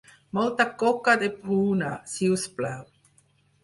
Molta coca de pruna, si us plau.